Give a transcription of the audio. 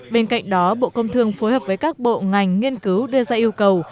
bên cạnh đó bộ công thương phối hợp với các bộ ngành nghiên cứu đưa ra yêu cầu